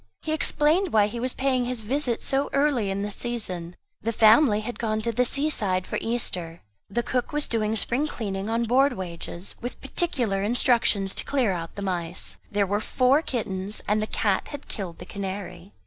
He explained why he was paying his visit so early in the season; the family had gone to the sea side for Easter; the cook was doing spring cleaning, on board wages, with particular instructions to clear out the mice. There were four kittens, and the cat had killed the canary.